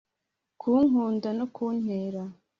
kunkunda no kuntera